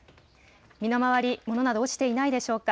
身の回り、物など落ちていないでしょうか。